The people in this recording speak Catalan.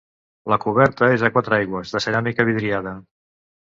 La coberta és a quatre aigües, de ceràmica vidriada.